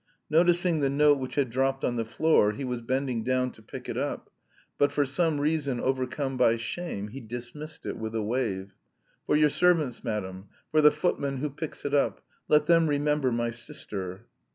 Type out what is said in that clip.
Noticing the note which had dropped on the floor, he was bending down to pick it up, but for some reason overcome by shame, he dismissed it with a wave. "For your servants, madam; for the footman who picks it up. Let them remember my sister!"